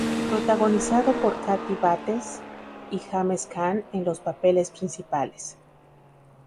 Protagonizado por Kathy Bates y James Caan en los papeles principales.